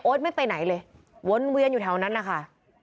ไม่ไปไหนเลยวนเวียนอยู่แถวนั้นนะคะ